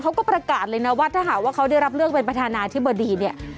เขาก็ประกาศเลยนะว่าถ้าหากว่าเขาได้รับเลือกเป็นประธานาธิบดีเนี่ย